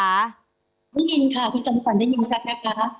ได้ยินค่ะคุณจบขวรได้ยินแซ็นต์นะคะ